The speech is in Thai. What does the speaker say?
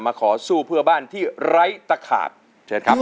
ขอสู้เพื่อบ้านที่ไร้ตะขาบเชิญครับ